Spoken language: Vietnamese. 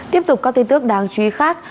tiếp tục có tin tức đáng chú ý khác